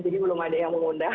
jadi belum ada yang mengundang